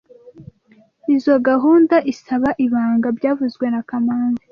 Izoi gahunda isaba ibanga byavuzwe na kamanzi